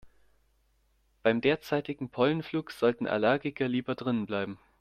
Beim derzeitigen Pollenflug sollten Allergiker lieber drinnen bleiben.